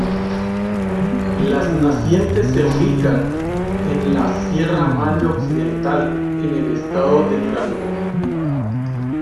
Las nacientes se ubican en la sierra Madre Occidental, en el estado de Durango.